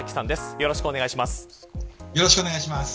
よろしくお願いします。